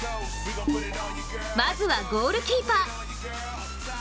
まずはゴールキーパー！